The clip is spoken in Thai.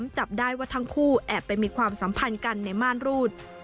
จับได้ว่าทั้งคู่แอบไปมีความสัมพันธ์กันในม่านรูด